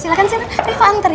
silahkan sini riva anterin